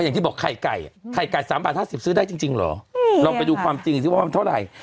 อย่างที่บอกไข่ไก่ไข่ไก่๓บาท๕๐ซื้อได้จริงเหรอลองไปดูความจริงซิว่ามันเท่าไหร่